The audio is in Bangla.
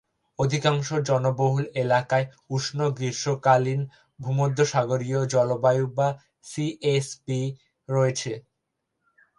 অধিকাংশ জনবহুল এলাকায় উষ্ণ-গ্রীষ্মকালীন ভূমধ্যসাগরীয় জলবায়ু বা "সিএসবি" রয়েছে।